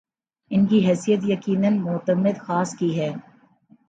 ‘ ان کی حیثیت یقینا معتمد خاص کی ہے۔